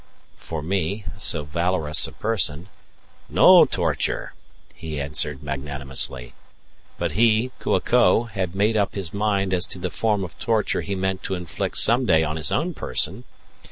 For me so valorous a person "no torture," he answered magnanimously. But he Kua ko had made up his mind as to the form of torture he meant to inflict some day on his own person.